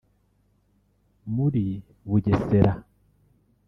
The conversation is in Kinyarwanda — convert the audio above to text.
muri Bugesera